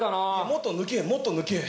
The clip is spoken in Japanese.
もっと抜けよもっと抜け。